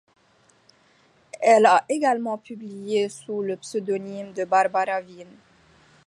Elle a également publié sous le pseudonyme de Barbara Vine.